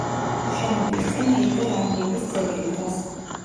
შენობის წინ ჰეიდარ ალიევის ძეგლი დგას.